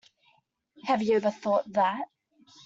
Have you ever thought that?